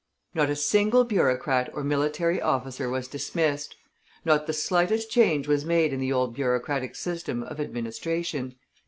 Not a single bureaucrat or military officer was dismissed; not the slightest change was made in the old bureaucratic system of administration.